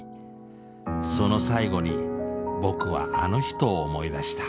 その最後に僕はあの人を思い出した。